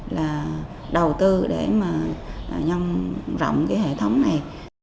là đầu tư để mà nhân rộng cái hệ thống này